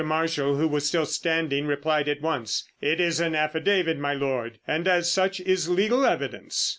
Marshall, who was still standing, replied at once: "It is an affidavit, my Lord, and as such is legal evidence."